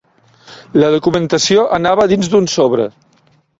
La documentació anava dins d'un sobre.